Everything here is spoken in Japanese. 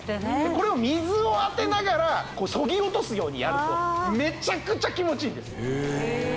これを水を当てながらそぎ落とすようにやるとメチャクチャ気持ちいいんです